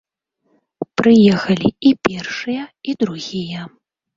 Прыехалі і першыя, і другія.